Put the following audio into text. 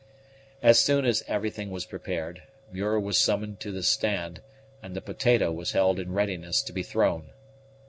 As soon as everything was prepared, Muir was summoned to the stand, and the potato was held in readiness to be thrown.